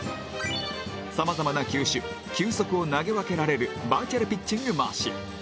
さまざまな球種球速を投げ分けられるバーチャルピッチングマシン